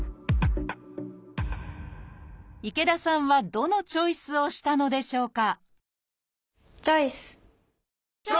池田さんはどのチョイスをしたのでしょうか？